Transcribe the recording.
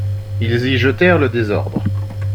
Ils y jetèrent le désordre.